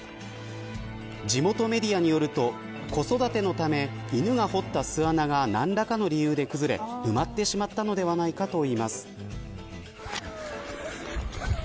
地元メディアによると子育てのため犬が掘った巣穴が何らかの理由で崩れ埋まってしまったのではないかといいます。